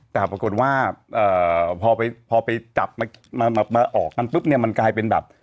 แต่ปรากฏว่าพอไปจับมาออกกันปุ๊บเนี่ยมันกลายเป็นแบบ